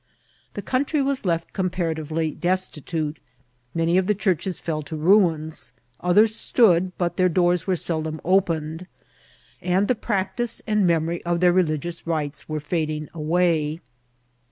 The country was left comparatively destitute ; many of the churches fell to ruins ; others stood, but their doors were seldom open* ed ; and the practice and memory of their religious rites were &ding away.